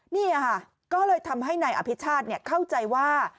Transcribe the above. นี่ค่ะก็เลยทำให้นายอภิชาติเข้าใจว่า